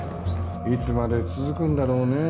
いつまで続くんだろうねえ